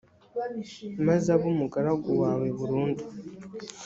maze abe umugaragu wawe burundu.